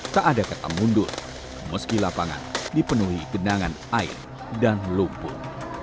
tak ada kata mundur meski lapangan dipenuhi genangan air dan lumpur